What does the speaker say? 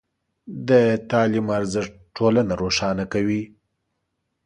د تعلیم ارزښت ټولنه روښانه کوي.